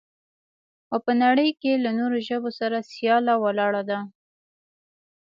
او په نړۍ کې له نورو ژبو سره سياله ولاړه ده.